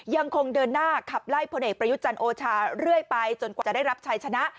ยังคงเดินหน้าขับไล่พลเอกประยุจันทร์โอชาเรื่อยไปจนกว่าจะได้รับชัยชนะ